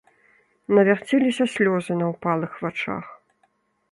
Навярцеліся слёзы на ўпалых вачах.